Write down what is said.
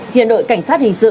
hiện đội cảnh sát hình sự